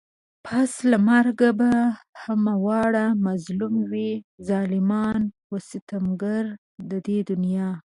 پس له مرگه به همه واړه مظلوم وي ظالمان و ستمگار د دې دنيا